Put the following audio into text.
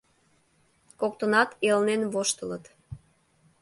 Коктынат элнен воштылыт.